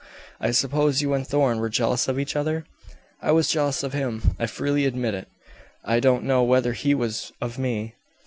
"I suppose you and Thorn were jealous of each other?" "I was jealous of him; I freely admit it. I don't know whether he was of me."